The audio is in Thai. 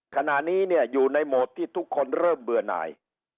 ขณะนี้เนี่ยอยู่ในโหมดที่ทุกคนเริ่มเบื่อหน่าย